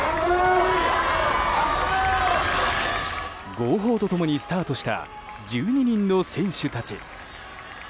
号砲と共にスタートした１２人の選手たち。